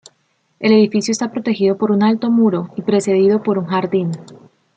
El edificio está protegido por un alto muro, y precedido por un jardín.